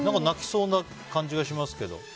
泣きそうな感じがしますけど。